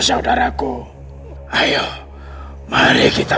jangan dengarkan makhluk itu lan